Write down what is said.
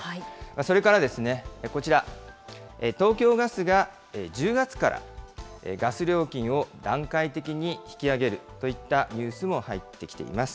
それからこちら、東京ガスが１０月から、ガス料金を段階的に引き上げるといったニュースも入ってきています。